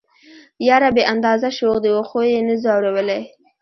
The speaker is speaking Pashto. يره بې اندازه شوخ دي وخو يې نه ځورولئ.